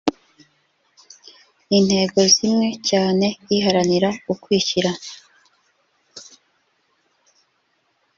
intego zimwe cyane iharanira ukwishyira